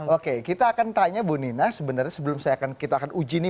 oke kita akan tanya bu nina sebenarnya sebelum kita akan uji nih